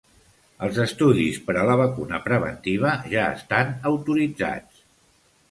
Els estudis per a la vacuna preventiva ja estan autoritzats.